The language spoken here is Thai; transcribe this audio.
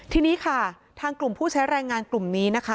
ทีนี้ค่ะทางกลุ่มผู้ใช้แรงงานกลุ่มนี้นะคะ